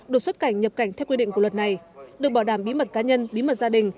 được xuất cảnh nhập cảnh theo quy định của luật này được bảo đảm bí mật cá nhân bí mật gia đình